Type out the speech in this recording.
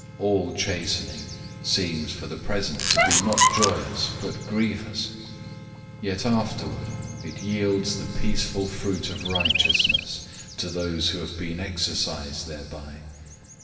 012:011 All chastening seems for the present to be not joyous but grievous; yet afterward it yields the peaceful fruit of righteousness to those who have been exercised thereby.